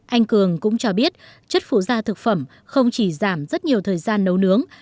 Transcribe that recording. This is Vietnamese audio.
anh cường cũng cho biết chất phụ da thực phẩm không chỉ giảm rất nhiều thời gian nấu nướng